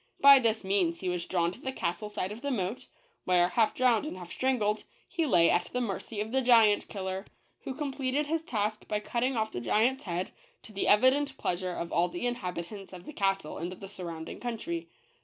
By this means he was drawn to the castle side of the moat, where, half drowned and half strangled, he lay at the mercy of the Giant Killer, who com pleted his task by cutting off the giant's head, to the evident pleasure of all the inhabitants of the castle and the surroun ding country.